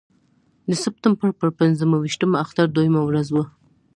د سپټمبر پر پنځه ویشتمه اختر دویمه ورځ وه.